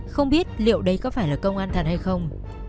không biết liệu đây có phải là công an thần hay không